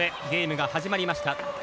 ゲームが始まりました。